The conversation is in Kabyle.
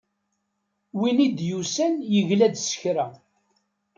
Win i d-yusan yegla-d s kra.